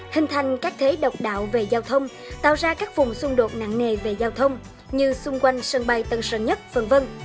hình thành các thế độc đạo về giao thông tạo ra các vùng xung đột nặng nề về giao thông như xung quanh sân bay tân sơn nhất v v